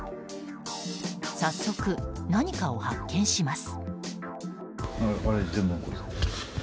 早速、何かを発見します。